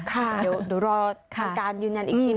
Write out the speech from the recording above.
เดี๋ยวรออาการยืนยันอีกทีหนึ่งด้วยกัน